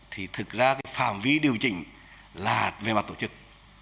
thì thực ra cái phạm vi điều chỉnh là về mặt tổ chức